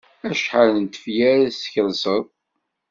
Acḥal n tefyar i teskelseḍ?